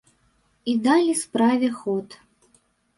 І далі справе ход.